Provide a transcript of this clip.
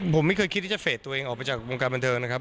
ผมไม่เคยคิดที่จะเฟสตัวเองออกไปจากวงการบันเทิงนะครับ